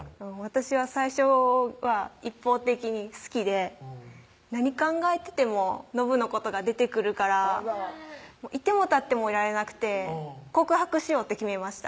私は最初は一方的に好きで何考えててものぶのことが出てくるからいてもたってもいられなくて告白しようって決めました